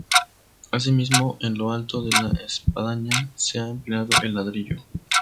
Asimismo, en lo alto de la espadaña se ha empleado el ladrillo.